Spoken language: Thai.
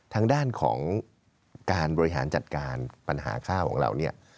ทางด้านของการบริหารจัดการปัญหาข้าวของเราเนี่ย